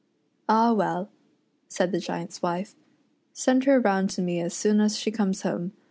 "Ah, well," said the Giant's wife, "send her round to me as soon as she comes home.